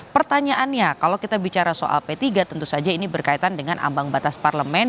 pertanyaannya kalau kita bicara soal p tiga tentu saja ini berkaitan dengan ambang batas parlemen